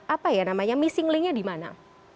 apa ya namanya missing linknya di mana